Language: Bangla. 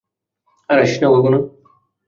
আর আসিস না কখনো।